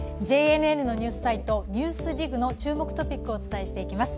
ＪＮＮのニュースサイト「ＮＥＷＳＤＩＧ」の注目トピックをお伝えしていきます。